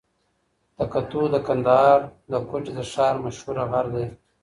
تکتو د کندهار د کوټي د ښار مشهوره غر دئ.